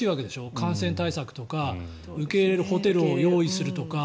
感染対策とか受け入れるホテルを用意するとか。